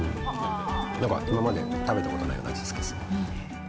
なんか今まで食べたことないような味付けですね。